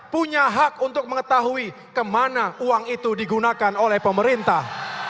punya hak untuk mengetahui kemana uang itu digunakan oleh pemerintah